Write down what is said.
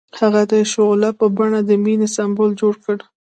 هغه د شعله په بڼه د مینې سمبول جوړ کړ.